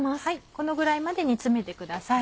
このぐらいまで煮詰めてください。